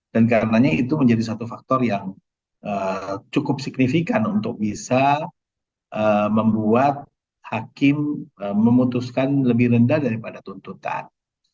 dan karenanya itu menjadi satu faktor yang cukup signifikan untuk bisa membuat hakim memutuskan lebih rendah daripada tuntutan